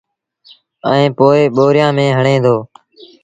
ائيٚݩ پو ٻوريآݩ ميݩ هڻي دو